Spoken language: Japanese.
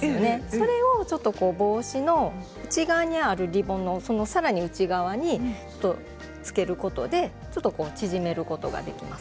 それを帽子の内側にあるリボンのさらに内側につけることによってちょっと縮めることができます。